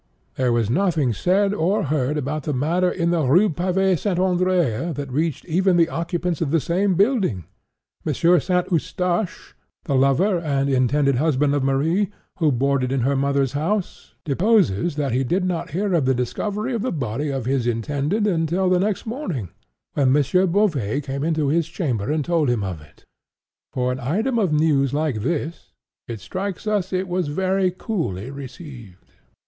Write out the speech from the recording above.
There was nothing said or heard about the matter in the Rue Pavée St. Andrée, that reached even the occupants of the same building. M. St. Eustache, the lover and intended husband of Marie, who boarded in her mother's house, deposes that he did not hear of the discovery of the body of his intended until the next morning, when M. Beauvais came into his chamber and told him of it. For an item of news like this, it strikes us it was very coolly received."